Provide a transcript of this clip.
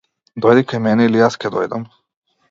Дојди кај мене или јас ќе дојдам.